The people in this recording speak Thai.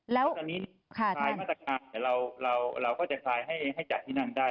แล้วตอนนี้คลายมาตรการเราก็จะคลายให้จัดที่นั่นได้